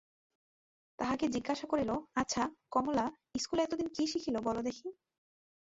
তাহাকে জিজ্ঞাসা করিল, আচ্ছা, কমলা, ইস্কুলে এতদিন কী শিখিলে বলো দেখি।